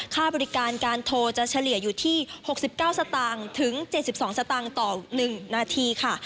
ค่าบริการการโทรจะเฉลี่ยอยู่ที่๖๙สตางค์ถึง๗๒สตางค์ต่อ๑นาทีค่ะ